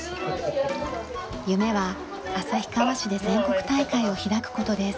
夢は旭川市で全国大会を開く事です。